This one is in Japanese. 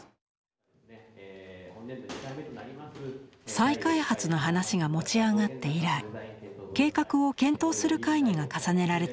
再開発の話が持ち上がって以来計画を検討する会議が重ねられてきました。